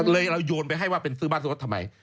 เลยเรายนไปให้ว่าเป็นซื้อบ้านสุดทำไม